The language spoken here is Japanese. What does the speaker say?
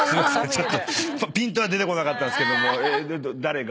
ちょっとぴんとは出てこなかったんですけども」